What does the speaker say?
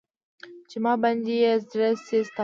چې ما باندې يې زړه سيزي تپاک کا